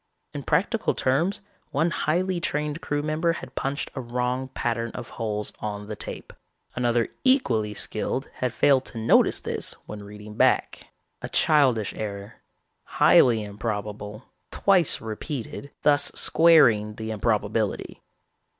In practical terms, one highly trained crew member had punched a wrong pattern of holes on the tape. Another equally skilled had failed to notice this when reading back. A childish error, highly improbable; twice repeated, thus squaring the improbability.